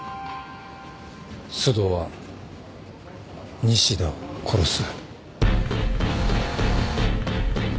須藤は西田を殺す。